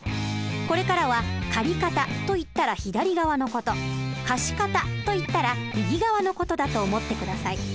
これからは借方といったら左側の事貸方といったら右側の事だと思って下さい。